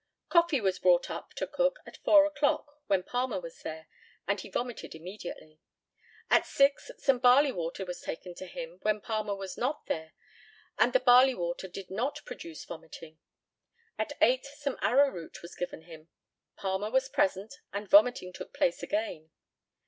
Coffee was brought up to Cook at 4 o'clock when Palmer was there, and he vomited immediately. At 6 some barley water was taken to him when Palmer was not there, and the barley water did not produce vomiting. At 8 some arrowroot was given him, Palmer was present, and vomiting took place again.